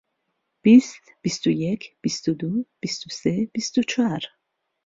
بیست، بیست و یەک، بیست و دوو، بیست و سێ، بیست و چوار.